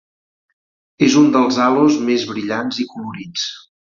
És un dels halos més brillants i colorits.